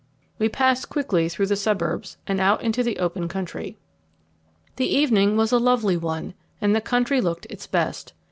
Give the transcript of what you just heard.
We passed quickly through the suburbs, and out into the open country. The evening was a lovely one, and the country looked its best.